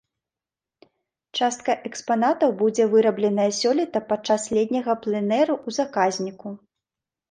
Частка экспанатаў будзе вырабленая сёлета падчас летняга пленэру ў заказніку.